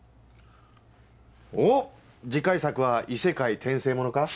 おっ次回作は異世界転生ものか？